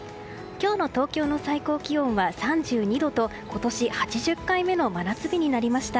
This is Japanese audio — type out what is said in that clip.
今日の東京の最高気温は３２度と今年８０回目の真夏日になりました。